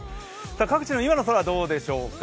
各地の今の空、どうでしょうか。